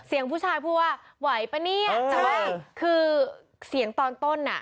เสียงผู้ชายพูดว่าไหวป่ะเนี่ยแต่ว่าคือเสียงตอนต้นอ่ะ